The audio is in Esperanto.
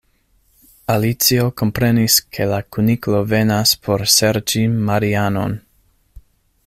Alicio komprenis ke la Kuniklo venas por serĉi Marianon.